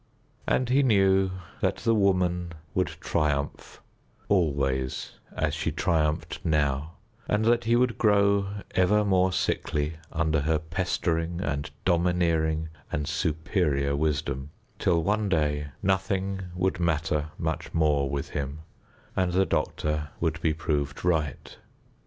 And he knew that the Woman would triumph always as she triumphed now, and that he would grow ever more sickly under her pestering and domineering and superior wisdom, till one day nothing would matter much more with him, and the doctor would be proved right.